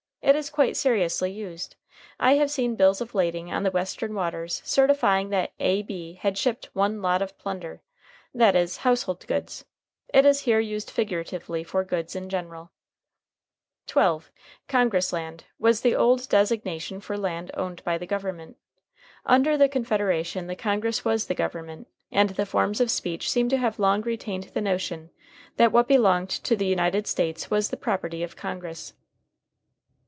It is quite seriously used. I have seen bills of lading on the Western waters certifying that A.B. had shipped "1 lot of plunder;" that is, household goods. It is here used figuratively for goods in general.] [Footnote 12: Congress land was the old designation for land owned by the government. Under the Confederation, the Congress was the government, and the forms of speech seem to have long retained the notion that what belonged to the United States was the property of Congress.